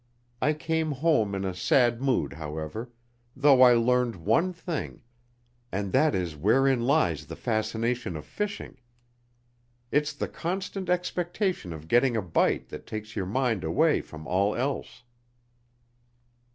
I came home in a sad mood, however, though I learned one thing, and that is wherein lies the fascination of fishing. It's the constant expectation of getting a bite that takes your mind away from all else."